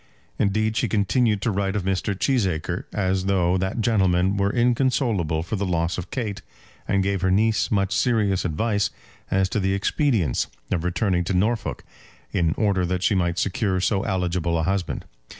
Indeed, she continued to write of Mr. Cheesacre as though that gentleman were inconsolable for the loss of Kate, and gave her niece much serious advice as to the expedience of returning to Norfolk, in order that she might secure so eligible a husband.